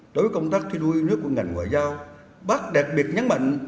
đối với công tác thi đua yêu nước của ngành ngoại giao bác đặc biệt nhấn mạnh